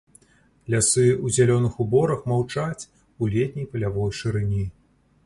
Лясы ў зялёных уборах маўчаць у летняй палявой шырыні.